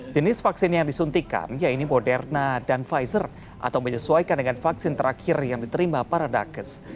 jenis vaksin yang disuntikan yaitu moderna dan pfizer atau menyesuaikan dengan vaksin terakhir yang diterima para nakes